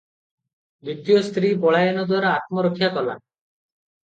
ଦ୍ୱିତୀୟା ସ୍ତ୍ରୀ ପଳାୟନ ଦ୍ୱାରା ଆତ୍ମରକ୍ଷା କଲା ।